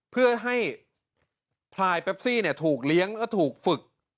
เพื่อให้พลายแปปซี่ถูกเลี้ยงและถูกฝึก